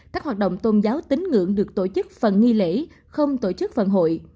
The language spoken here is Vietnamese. các hoạt động tôn giáo tính ngưỡng được tổ chức phần nghi lễ không tổ chức phần hội